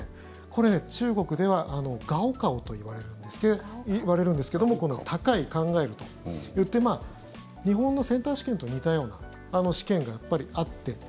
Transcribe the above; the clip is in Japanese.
これ、中国では高考といわれるんですけども高い、考えるといって日本のセンター試験と似たような試験がやっぱりあって。